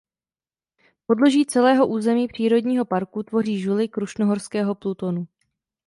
Podloží celého území přírodního parku tvoří žuly krušnohorského plutonu.